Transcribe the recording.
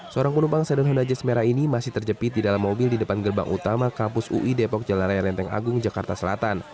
seorang penumpang sedan honda jazz merah ini masih terjepit di dalam mobil di depan gerbang utama kampus ui depok jalan raya lenteng agung jakarta selatan